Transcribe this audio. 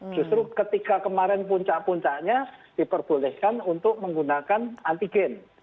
justru ketika kemarin puncak puncaknya diperbolehkan untuk menggunakan antigen